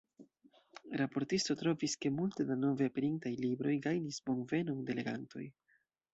Raportisto trovis, ke multe da nove aperintaj libroj gajnis bonvenon de legantoj.